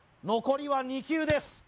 残りは２球です